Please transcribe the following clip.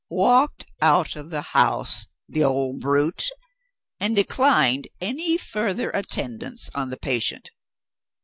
Walked out of the house (the old brute!) and declined any further attendance on the patient.